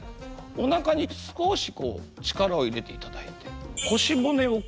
おなかに少し力を入れていただいて。